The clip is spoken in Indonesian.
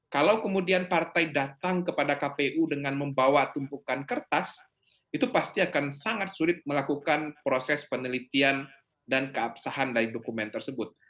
kalau kemudian partai datang kepada kpu dengan membawa tumpukan kertas itu pasti akan sangat sulit melakukan proses penelitian dan keabsahan dari dokumen tersebut